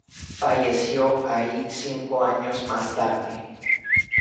Falleció allí cinco años más tarde.